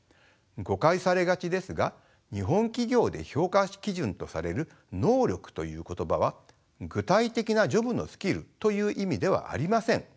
誤解されがちですが日本企業で評価基準とされる「能力」という言葉は具体的なジョブのスキルという意味ではありません。